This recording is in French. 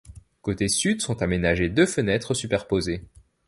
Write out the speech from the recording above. Côté sud sont aménagées deux fenêtres superposées.